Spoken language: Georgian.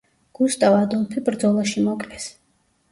გუსტავ ადოლფი ბრძოლაში მოკლეს.